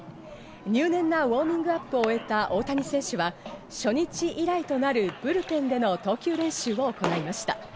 入念なウオーミングアップを終えた大谷選手は、初日以来となるブルペンでの投球練習を行いました。